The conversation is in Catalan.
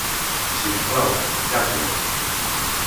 Si us plau, carter